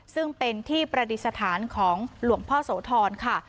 ซึ่งเป็นที่ประดิษฐานของหลวงพ่อโสธรค่ะ